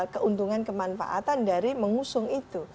keuntungan kemanfaatan dari mengusung itu